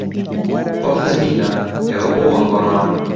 هۆ خزمینە، ئێوە بۆ وا گۆڕاون!